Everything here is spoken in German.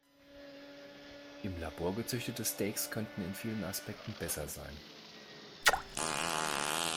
Im Labor gezüchtete Steaks könnten in vielen Aspekten besser sein.